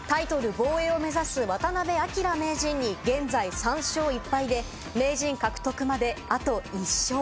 防衛を目指す渡辺明名人に、現在３勝１敗で名人獲得まで、あと１勝。